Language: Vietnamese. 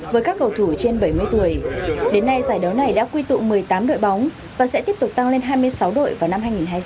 với các cầu thủ trên bảy mươi tuổi đến nay giải đấu này đã quy tụ một mươi tám đội bóng và sẽ tiếp tục tăng lên hai mươi sáu đội vào năm hai nghìn hai mươi sáu